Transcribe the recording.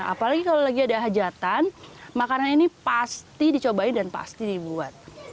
apalagi kalau lagi ada hajatan makanan ini pasti dicobain dan pasti dibuat